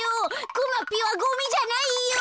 くまぴはゴミじゃないよ。